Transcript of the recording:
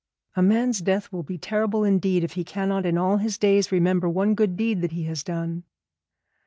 A man's death will be terrible indeed if he cannot in all his days remember one good deed that he has done.